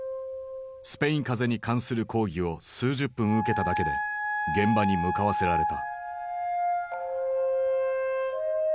スペイン風邪に関する講義を数十分受けただけで現場に向かわせられた。